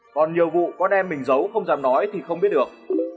còn nhiều vụ con em mình giấu không dám nói thì không biết được